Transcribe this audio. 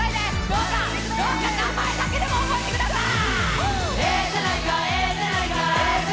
どうか、どうか名前だけでも覚えてください！